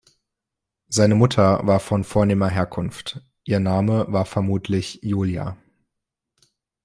Seine Mutter war von vornehmer Herkunft, ihr Name war vermutlich Iulia.